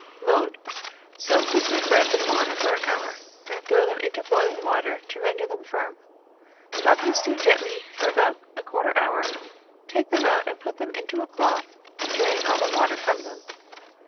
Mode. Soak the sweetbreads in water for an hour, and throw them into boiling water to render them firm. Let them stew gently for about 1/4 hour, take them out and put them into a cloth to drain all the water from them.